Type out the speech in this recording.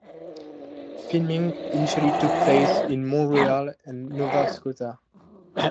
Filming initially took place in Montreal and Nova Scotia.